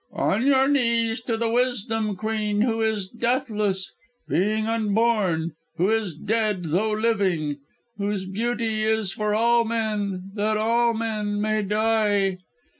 on your knees to the Wisdom Queen, who is deathless, being unborn, who is dead though living, whose beauty is for all men that all men may die...."